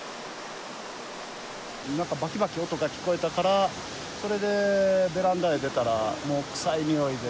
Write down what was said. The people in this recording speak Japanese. なんかばきばき音が聞こえたから、それでベランダへ出たら、もう臭いにおいで。